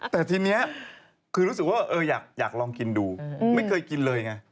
แต่ทีนี้คือรู้สึกว่าอยากลองกินดูไม่เคยกินเลยไง